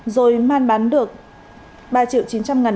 rồi man bán được ba triệu chín trăm linh ngàn đồng